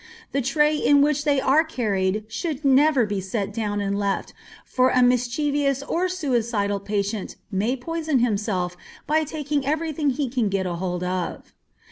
The tray in which they are carried should never be set down and left, for a mischievous or suicidal patient may poison himself by taking every thing he can get hold of.